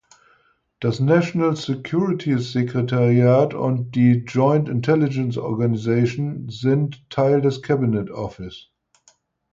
Das National Security Secretariat und die Joint Intelligence Organization sind Teil des Cabinet Office.